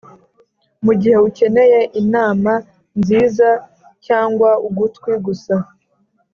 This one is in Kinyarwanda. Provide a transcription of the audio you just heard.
mugihe ukeneye inama nziza cyangwa ugutwi gusa,